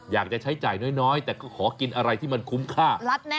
อยากจะใช้จ่ายน้อยแต่ก็ขอกินอะไรที่มันคุ้มค่า